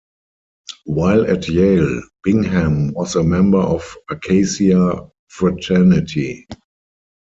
While at Yale, Bingham was a member of Acacia Fraternity.